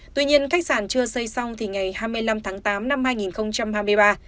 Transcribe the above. tuy nhiên khách sạn chưa xây xong thì ngày hai mươi năm tháng tám năm hai nghìn hai mươi ba